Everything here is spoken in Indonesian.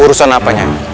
urusan apa nyai